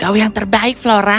kau yang terbaik flora